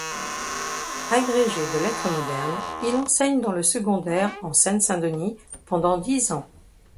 Agrégé de lettres modernes, il enseigne dans le secondaire en Seine-Saint-Denis pendant dix ans.